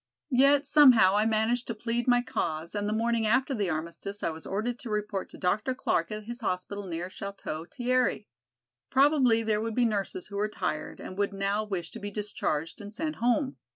Yet somehow I managed to plead my cause and the morning after the armistice I was ordered to report to Dr. Clark at his hospital near Château Thierry. Probably there would be nurses who were tired and would now wish to be discharged and sent home.